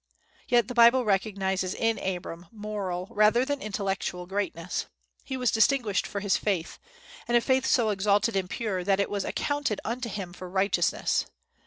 Yet the Bible recognizes in Abram moral rather than intellectual greatness. He was distinguished for his faith, and a faith so exalted and pure that it was accounted unto him for righteousness.